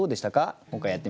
今回やってみて。